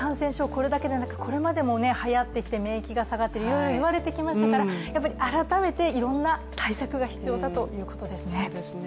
これだけでなく、これまでもはやってきて免疫が下がって、いろいろいわれてきましたから改めていろんな対策が必要だということですね。